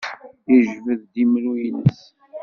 Yejbed-d imru-nnes.